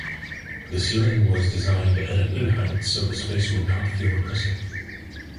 The ceiling was designed at in height so the space would not feel oppressive.